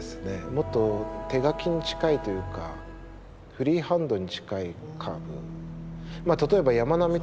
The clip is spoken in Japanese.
もっと手描きに近いというかフリーハンドに近いカーブ。